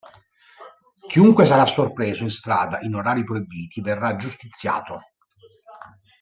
Chiunque sarà sorpreso in strada in orari proibiti verrà giustiziato.